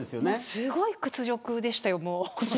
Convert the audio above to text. すごい屈辱でしたよ。